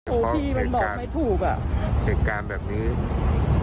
ที่มันบอกไม่ถูกอ่ะเหตุการณ์แบบนี้